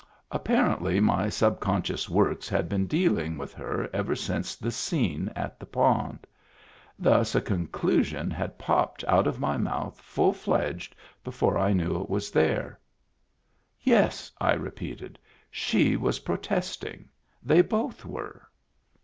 Apparently my subconscious works had been dealing with her ever since the scene at the pond. Thus a con clusion had popped out of my mouth full fledged before I knew it was there. " Yes," I repeated ;" she was protesting. They both were."